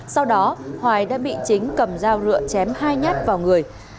sau đó hoài đã bị chính cầm dao lửa chém hai nhát vào người